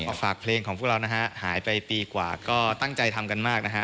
ฝากเพลงของพวกเรานะฮะหายไปปีกว่าก็ตั้งใจทำกันมากนะฮะ